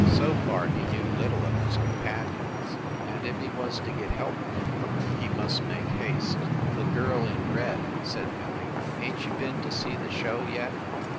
So far he knew little of his com panions, and, if he was to get help from them, he must make haste. " The Girl in Red/ " said Millie. "Ain t you been to see the show yet?"